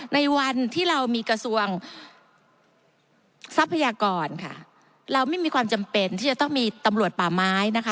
ในวันที่เรามีกระทรวงทรัพยากรค่ะเราไม่มีความจำเป็นที่จะต้องมีตำรวจป่าไม้นะคะ